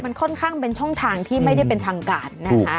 มันค่อนข้างเป็นช่องทางที่ไม่ได้เป็นทางการนะคะ